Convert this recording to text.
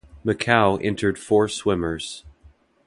Macau entered four swimmers.